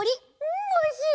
んおいしい！